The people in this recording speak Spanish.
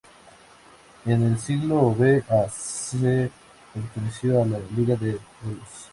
En el siglo V a. C. perteneció a la Liga de Delos.